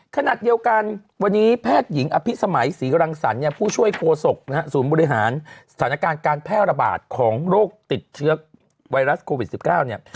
ขณะเดียวกันวันนี้แพทย์หญิงอภิษมัยศรีรังสรรค์เนี่ยผู้ช่วยโคศกนะฮะศูนย์บริหารสถานการณ์การแพร่ระบาดของโรคติดเชื้อไวรัสโควิด๑๙เนี่ย